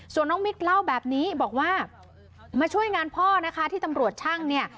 ส่วนน้องมิกเล่าแบบนี้บอกว่ามาช่วยงานพ่อนะคะที่ตำรวจช่างเนี่ย